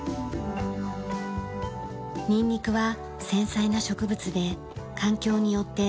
ニンニクは繊細な植物で環境によって芽の出方が変わります。